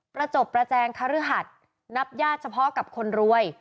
จบประแจงคฤหัสนับญาติเฉพาะกับคนรวย